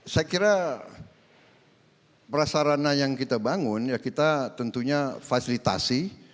saya kira prasarana yang kita bangun ya kita tentunya fasilitasi